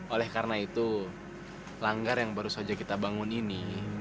oleh karena itu langgar yang baru saja kita bangun ini